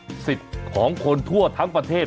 เป็นสิทธิ์ของคนทั่วทั้งประเทศ